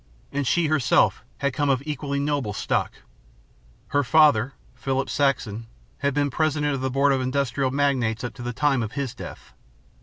And she herself had come of equally noble stock. Her father, Philip Saxon, had been President of the Board of Industrial Magnates up to the time of his death.